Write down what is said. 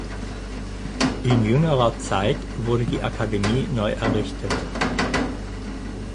In jüngerer Zeit wurde die Akademie neu errichtet.